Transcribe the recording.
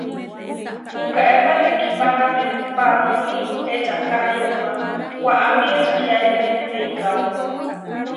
Pukaépa tekihpáname paamúni ečaká yomá, waʼámi ečayáine eikáo.